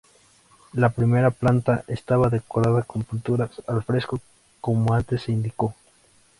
La primera planta estaba decorada con pinturas al fresco como antes se indicó.